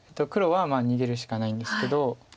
黒はまあ逃げるしかないんですけど。